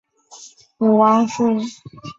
母汪氏。